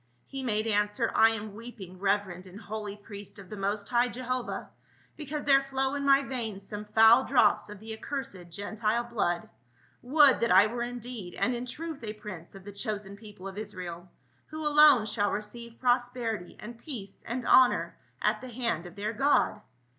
He made answer, " I am weeping, reverend and holy priest of the most high Jehovah, because there flow in my veins some foul drops of the accursed Gentile blood ; would that I were indeed and in truth a prince of the chosen people of Israel, who alone shall receive prosperity and peace and honor at the hand of their God."